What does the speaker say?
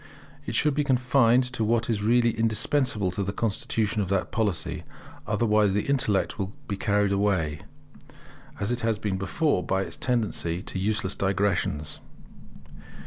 It should be confined to what is really indispensable to the construction of that Polity. Otherwise the intellect will be carried away, as it has been before, by its tendency to useless digressions.